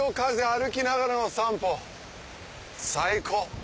歩きながらの散歩最高！